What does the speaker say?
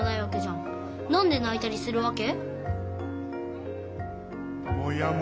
なんでないたりするわけ？